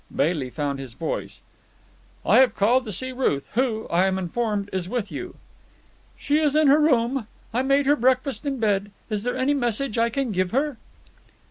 Bailey found his voice. "I have called to see Ruth, who, I am informed, is with you." "She is in her room. I made her breakfast in bed. Is there any message I can give her?"